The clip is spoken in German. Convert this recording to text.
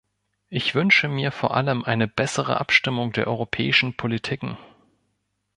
Ich wünsche mir vor allem eine bessere Abstimmung der europäischen Politiken.